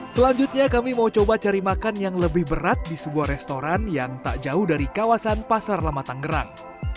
selanjutnya kami mau coba cari makan yang lebih berat di sebuah restoran yang tak jauh dari kawasan pasar lama tangerang